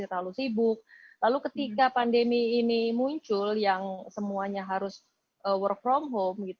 terlalu sibuk lalu ketika pandemi ini muncul yang semuanya harus work from home